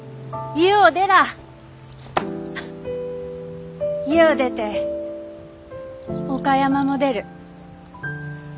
家を出て岡山も出る。